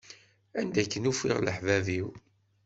Anda akken ufiɣ leḥbab-iw.